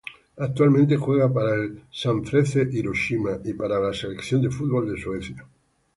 Actualmente juega para el Sanfrecce Hiroshima y para la selección de fútbol de Suecia.